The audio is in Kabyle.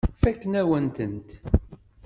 Fakken-awen-tent.